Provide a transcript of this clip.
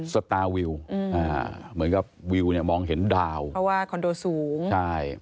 สตาร์วิวเหมือนกับวิวเนี่ยมองเห็นดาวเพราะว่าคอนโดสูงใช่